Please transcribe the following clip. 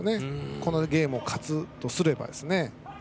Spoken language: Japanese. このゲーム勝つとすればですね。